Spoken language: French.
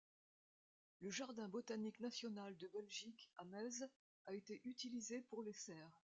Le Jardin botanique national de Belgique à Meise a été utilisé pour les serres.